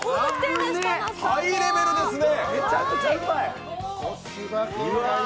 ハイレベルですね。